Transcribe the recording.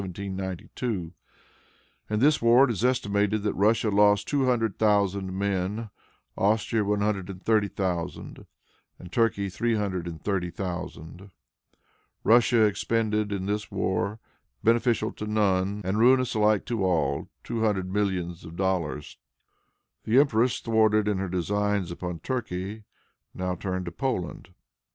In this war it is estimated that Russia lost two hundred thousand men, Austria one hundred and thirty thousand, and Turkey three hundred and thirty thousand. Russia expended in this war, beneficial to none and ruinous alike to all, two hundred millions of dollars. The empress, thwarted in her designs upon Turkey, now turned to Poland.